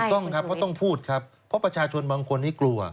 ต้องครับเพราะต้องพูดครับเพราะประชาชนบางคนนี้กลัว